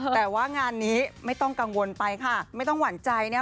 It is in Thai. แต่ว่างานนี้ไม่ต้องกังวลไปค่ะไม่ต้องหวั่นใจนะ